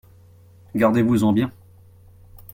Gardez-vous-en bien !…